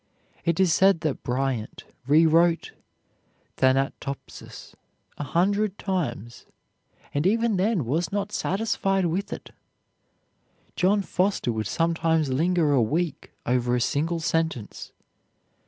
It is said that Bryant rewrote "Thanatopsis" a hundred times, and even then was not satisfied with it. John Foster would sometimes linger a week over a single sentence.